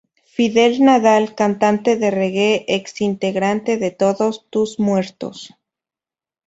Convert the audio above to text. Fidel Nadal, cantante de reggae, exintegrante de Todos tus muertos.